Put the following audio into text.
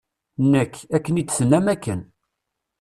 Nekk, akken i d-tennam akken.